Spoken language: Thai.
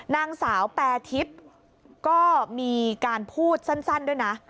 นางสาวแปรทิพย์ก็มีการพูดสั้นด้วยนะ